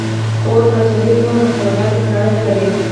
خو اوس پاچاهي په متولیانو پورې اړه نه لري.